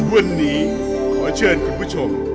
วันนี้ขอเชิญคุณผู้ชม